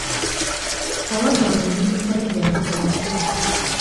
Kawaganya yali musajja atyo atyo.